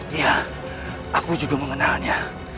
iya aku juga mengenalnya